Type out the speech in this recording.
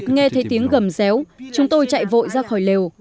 nghe thấy tiếng gầm réo chúng tôi chạy vội ra khỏi lều